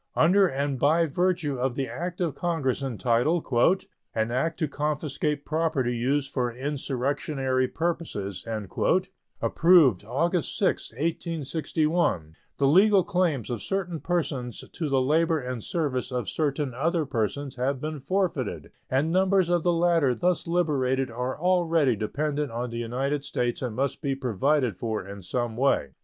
Under and by virtue of the act of Congress entitled "An act to confiscate property used for insurrectionary purposes," approved August 6, 1861, the legal claims of certain persons to the labor and service of certain other persons have become forfeited, and numbers of the latter thus liberated are already dependent on the United States and must be provided for in some way.